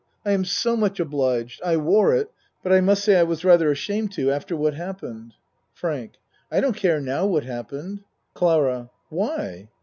I am so much obliged. I wore it but I must say I was rather ashamed to after what happened. FRANK I don't care now what happened. CLARA Why?